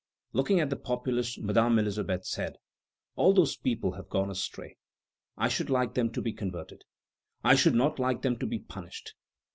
Looking at the populace, Madame Elisabeth said: "All those people have gone astray; I should like them to be converted; I should not like them to be punished."